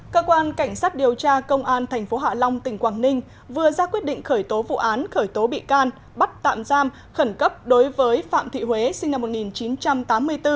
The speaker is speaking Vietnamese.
cơ quan cảnh sát điều tra công an tp hạ long tỉnh quảng ninh vừa ra quyết định khởi tố vụ án khởi tố bị can bắt tạm giam khẩn cấp đối với phạm thị huế sinh năm một nghìn chín trăm tám mươi bốn